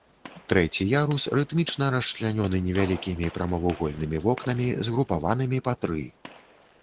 Трэці ярус рытмічна расчлянёны невялікімі прамавугольнымі вокнамі, згрупаванымі па тры.